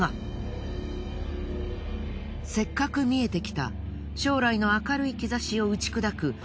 せっかく見えてきた将来の明るい兆しを打ち砕く。